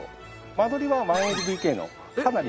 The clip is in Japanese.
間取りは１ＬＤＫのかなり。